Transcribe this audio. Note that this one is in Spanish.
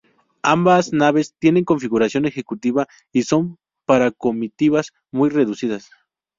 Ambas naves tienen configuración ejecutiva y son para comitivas muy reducidas.